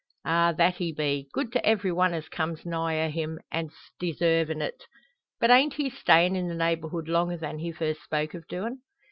"Ah! that he be; good to every one as comes nigh o' him and 's desarvin' it." "But ain't he stayin' in the neighbourhood longer than he first spoke of doin'?"